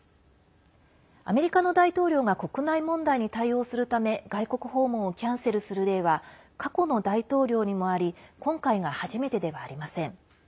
アメリカの大統領が国内問題に対応するため外国訪問をキャンセルする例は過去の大統領にもあり今回が初めてではありません。